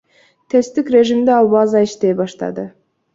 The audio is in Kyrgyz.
Тесттик режимде ал база иштей баштады.